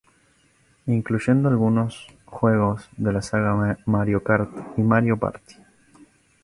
Incluyendo algunos juegos de la saga Mario Kart y Mario Party.